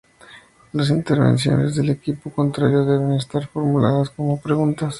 Las intervenciones del equipo contrario deben estar formuladas como preguntas.